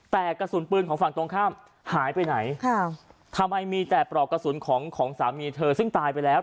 แต่กระสุนปืนของฝั่งตรงข้ามหายไปไหนค่ะทำไมมีแต่ปลอกกระสุนของของสามีเธอซึ่งตายไปแล้ว